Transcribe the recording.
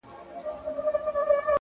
څه مي ارام پرېږده ته.